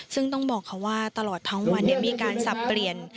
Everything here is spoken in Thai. ซึ่งต้องบอกค่ะว่าตลอดทั้งวันมีการสับเปลี่ยน